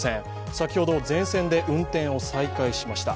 先ほど全線で運転を再開しました。